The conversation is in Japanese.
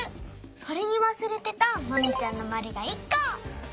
それにわすれてたマミちゃんのまるが１こ！